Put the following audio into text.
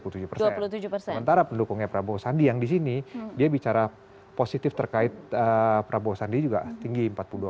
sementara pendukungnya prabowo sandi yang di sini dia bicara positif terkait prabowo sandi juga tinggi